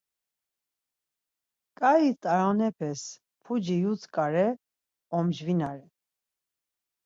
Ǩai t̆aronepes puci yutzǩare, ocvinare.